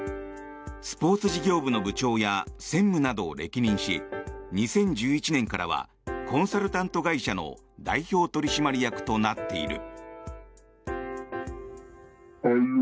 スポーツ事業部の部長や専務などを歴任し２０１１年からはコンサルタント会社の代表取締役となっている。